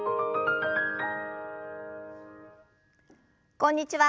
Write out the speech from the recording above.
こんにちは。